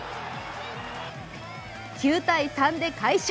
９−３で快勝。